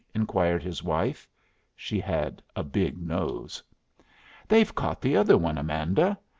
inquired his wife. She had a big nose. "They've caught the other one, Amanda.